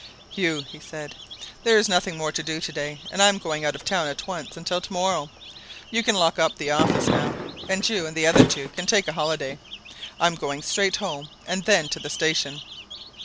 "Hugh," he said; "there's nothing more to do today, and I'm going out of town at once, until tomorrow. You can lock up the office now, and you and the other two can take a holiday. I'm going straight home and then to the station."